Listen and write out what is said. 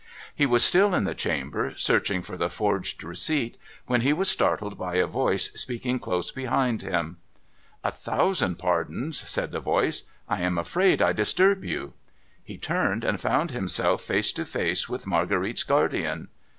He was still in the chamber, searching for the forged receipt, when he was startled by a voice speaking close behind him. ' A thousand pardons,' said the voice ;' I am afraid I disturb you.' He turned, and found himself face to face with Marguerite's guardian.